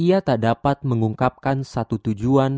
ia tak dapat mengungkapkan satu tujuan